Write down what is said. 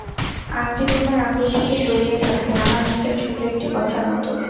আংটি তোমার আঙুলটিকে জড়িয়ে থাকবে আমার মুখের ছোটো একটি কথার মতো।